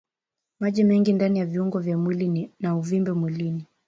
Maji mengi ndani ya viungo vya mwili na uvimbe mwilini